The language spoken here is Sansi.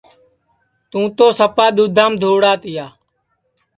تُوں تو سپا دؔدھام دھؤڑا تِیا